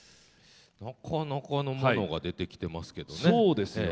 なかなかのものが出てきてますけどね。